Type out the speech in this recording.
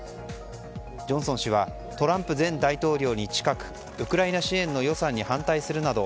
ジョンソン氏はトランプ前大統領に近くウクライナ支援の予算に反対するなど